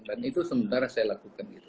dan itu sementara saya lakukan itu